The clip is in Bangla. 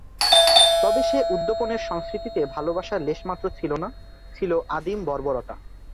তবে সে উদ্যাপনের সংস্কৃতিতে ভালোবাসার লেশমাত্র ছিল না, ছিল আদিম বর্বরতা।